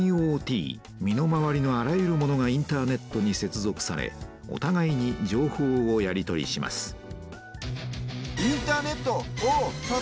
身の回りのあらゆるものがインターネットに接続されおたがいに情報をやり取りします